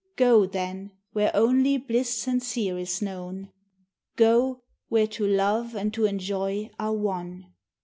Go then, where only bliss sincere is known! Go, where to love and to enjoy are one!